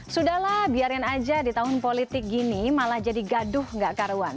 sudahlah biarin aja di tahun politik gini malah jadi gaduh gak karuan